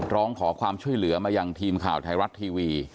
ร้องขอความช่วยเหลือมายังทีมข่าวไทยรัฐทีวี